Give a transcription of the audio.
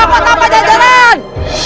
hidup berada di kianjaman